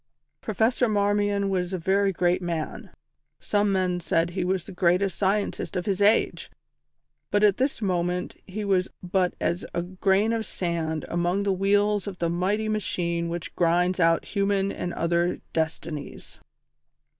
Professor Marmion was a very great man some men said he was the greatest scientist of his age but at this moment he was but as a grain of sand among the wheels of the mighty machine which grinds out human and other destinies.